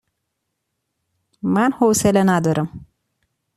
من حوصله ندارم